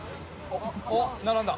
おっ並んだ！